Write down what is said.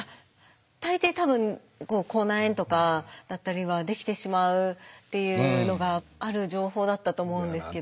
大抵多分口内炎とかだったりはできてしまうっていうのがある情報だったと思うんですけど。